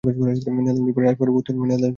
নেদারল্যান্ডের রাজপরিবারের উত্তরসূরি।